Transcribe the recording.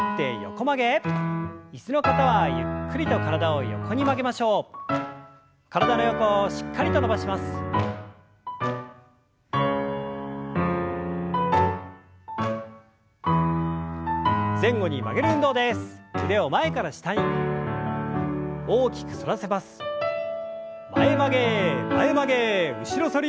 前曲げ前曲げ後ろ反り。